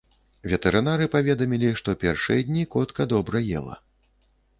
Ветэрынары паведамілі, што першыя дні котка добра ела.